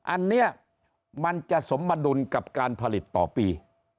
อันนี้มันจะสมดุลกับการผลิตต่อปี